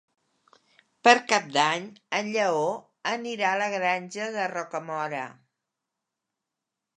Per Cap d'Any en Lleó anirà a la Granja de Rocamora.